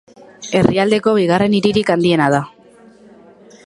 Herrialdeko bigarren hiririk handiena da.